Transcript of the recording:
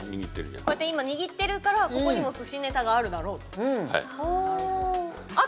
こうやって今握ってるからここにも寿司ネタがあるだろうと。